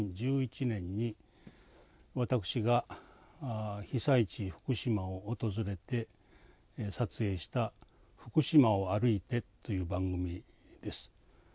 ２０１１年に私が被災地福島を訪れて撮影した「フクシマを歩いて」という番組です。